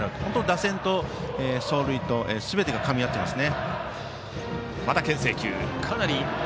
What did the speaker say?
打線と走塁とすべてがかみ合っています。